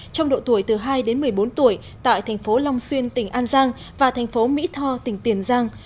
trong độ tuổi từ hai đến một mươi bốn tuổi tại thành phố long xuyên tỉnh an giang và thành phố mỹ tho tỉnh tiền giang